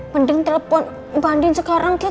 mending telepon mbak andin sekarang kiki